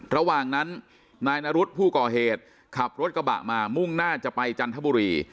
ระหว่างนั้นนายนรุษผู้ก่อเหตุขับรถกระบะมามุ่งหน้าจะไปจันทบุรี